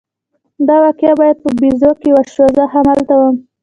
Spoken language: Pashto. دا واقعه بیا په بیزر کې وشوه، زه همالته وم.